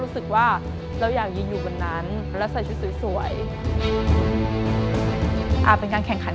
พลอยเชื่อว่าเราก็จะสามารถชนะเพื่อนที่เป็นผู้เข้าประกวดได้เหมือนกัน